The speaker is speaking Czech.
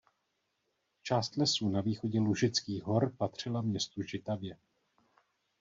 Část lesů na východě Lužických hor patřila městu Žitavě.